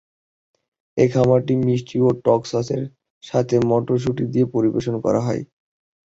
এই খাবারটি মিষ্টি ও টক সসের সাথে মটরশুঁটি দিয়ে পরিবেশন করা হয়।